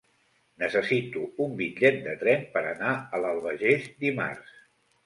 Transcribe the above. Necessito un bitllet de tren per anar a l'Albagés dimarts.